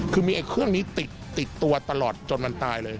คือมีไอ้เครื่องนี้ติดตัวตลอดจนมันตายเลย